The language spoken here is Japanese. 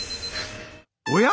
おや？